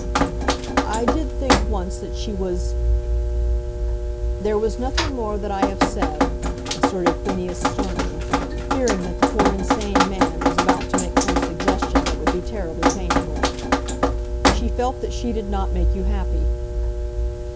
"I did think once that she was " "There was nothing more than I have said," asserted Phineas sternly, fearing that the poor insane man was about to make some suggestion that would be terribly painful. "She felt that she did not make you happy."